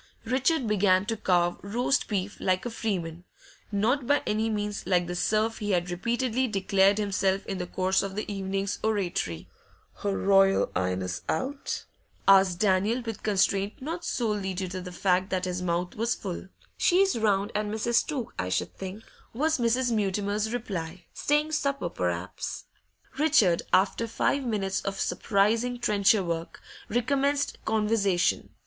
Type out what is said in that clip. Richard began to carve roast beef like a freeman, not by any means like the serf he had repeatedly declared himself in the course of the evening's oratory. 'Her Royal 'Ighness out?' asked Daniel, with constraint not solely due to the fact that his mouth was full. 'She's round at Mrs. Took's, I should think,' was Mrs. Mutimer's reply. 'Staying supper, per'aps.' Richard, after five minutes of surprising trencher work, recommenced conversation.